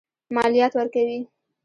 مالیات ورکوي.